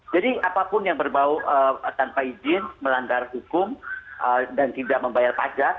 jadi apapun yang berbau tanpa izin melanggar hukum dan tidak membayar pajak